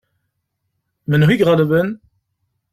Menhu i iɣelben?